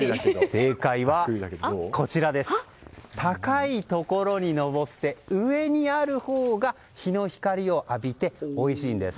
正解は、高いところに上って上にあるほうが日の光を浴びておいしいんです。